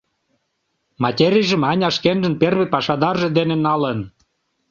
Материйжым Аня шкенжын первый пашадарже дене налын.